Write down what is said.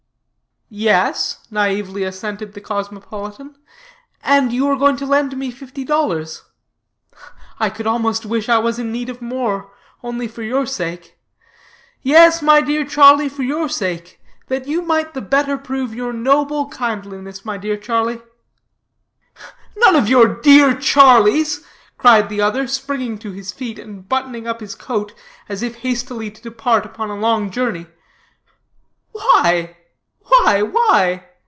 "Yes," naïvely assented the cosmopolitan, "and you are going to loan me fifty dollars. I could almost wish I was in need of more, only for your sake. Yes, my dear Charlie, for your sake; that you might the better prove your noble, kindliness, my dear Charlie." "None of your dear Charlies," cried the other, springing to his feet, and buttoning up his coat, as if hastily to depart upon a long journey. "Why, why, why?"